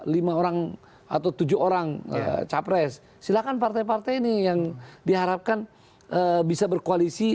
lima orang atau tujuh orang capres silakan partai partai ini yang diharapkan bisa berkoalisi